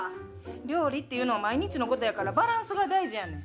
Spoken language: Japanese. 料理っていうのは、毎日のことやから、バランスが大事やねん。